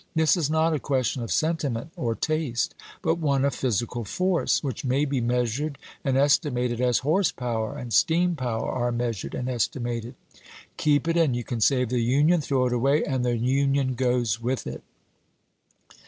This is not a question of sentiment or taste, but one of physical force, which may be measured and estimated as horse power and steam Lincoln to power are measured and estimated. Keep it, and ''honif'^ . Sept 12 you can save the Union. Throw it away, and the isei. ms. Union goes with it."